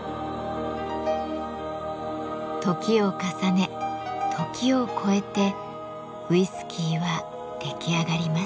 時を重ね時をこえてウイスキーは出来上がります。